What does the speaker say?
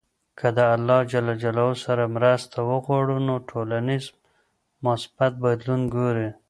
که له الله ج سره مرسته وغواړو، نو ټولنیز مثبت بدلون ګورﻱ.